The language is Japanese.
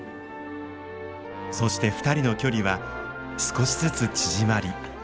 そして２人の距離は少しずつ縮まり。